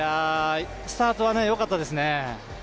スタートはよかったですね。